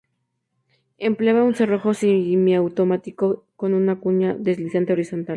Empleaba un cerrojo semiautomático con una cuña deslizante horizontal.